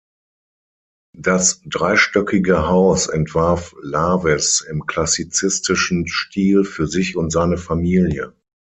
Das dreistöckige Haus entwarf Laves im klassizistischen Stil für sich und seine Familie.